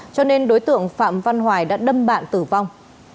cho nên đối tượng phạm văn hoài đã đâm bạn tử vong